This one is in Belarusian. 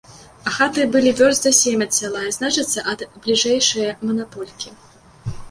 А хаты былі вёрст за сем ад сяла і, значыцца, ад бліжэйшае манаполькі.